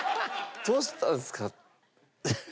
どうしたんですか？